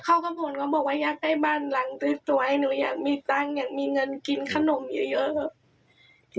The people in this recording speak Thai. เขาก็บ่นเขาบอกว่าอยากได้บ้านหลังสวยหนูอยากมีตังค์อยากมีเงินกินขนมเยอะแบบ